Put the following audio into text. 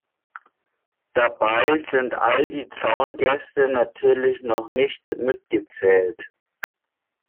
Dabei sind all die Zaungäste natürlich noch nicht mitgezählt.